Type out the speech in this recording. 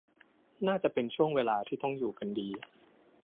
น่าจะเป็นช่วงเวลาที่ต้องอยู่กันดี